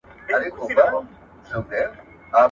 نسبت د نورو خبرو ته د اثر لوستل ډېر مهم دي.